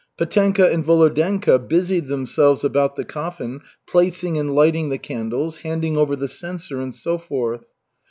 Petenka and Volodenka busied themselves about the coffin, placing and lighting the candles, handing over the censer, and so forth.